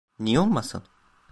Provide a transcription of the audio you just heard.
Niye olmasın?